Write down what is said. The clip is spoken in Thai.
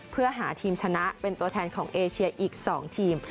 เพื่อหาทีมชนะเป็นตัวแทนของเอเชียอีก๒ทีม